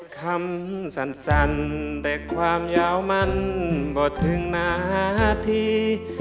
คำสั้นแต่ความยาวมันบ่ถึงนาที